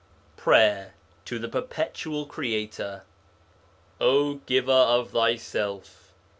PRAYER TO THE PERPETUAL CREATOR O giver of thyself!